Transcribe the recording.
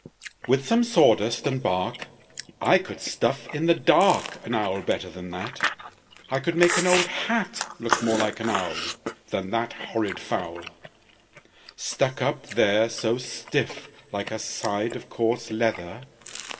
"With some sawdust and bark I could stuff in the dark An owl better than that. I could make an old hat Look more like an owl Than that horrid fowl, Stuck up there so stiff like a side of coarse leather.